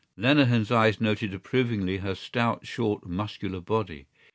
Lenehan's eyes noted approvingly her stout short muscular body.